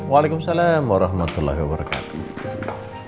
waalaikumsalam warahmatullahi wabarakatuh